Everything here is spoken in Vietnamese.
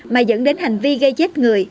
mà dẫn đến hành vi gây chết người